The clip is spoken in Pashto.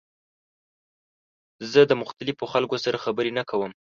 زه د مختلفو خلکو سره خبرې نه کوم.